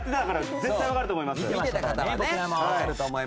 絶対分かると思います。